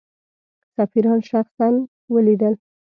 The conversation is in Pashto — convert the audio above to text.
سفیران شخصا ولیدل.